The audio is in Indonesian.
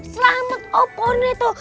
selamat opone toh